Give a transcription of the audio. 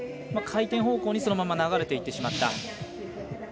回転方向にそのまま流れてしまった。